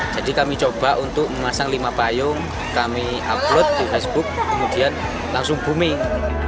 jadi kami coba untuk memasang lima payung kami upload di facebook kemudian langsung booming